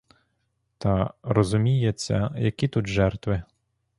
Та, розуміється, які тут жертви!